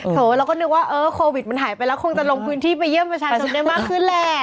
เราก็นึกว่าเออโควิดมันหายไปแล้วคงจะลงพื้นที่ไปเยี่ยมประชาชนได้มากขึ้นแหละ